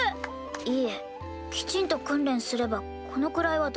いいえきちんと訓練すればこのくらいは誰にでもできますよ。